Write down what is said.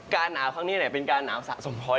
การหนาวข้างนี้เนี่ยเป็นการหนาวสะสมพล้อย